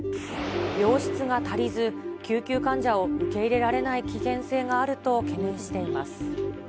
病室が足りず救急患者を受け入れられない危険性があると懸念しています。